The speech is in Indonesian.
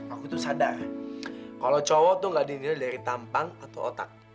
aku tuh sadar kalau cowok tuh nggak dinilai dari tampang atau otak